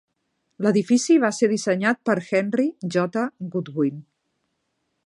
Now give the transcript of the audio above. L'edifici va ser dissenyat per Henry J. Goodwin.